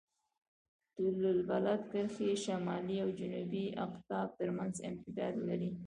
طول البلد کرښې شمالي او جنوبي اقطاب ترمنځ امتداد لري.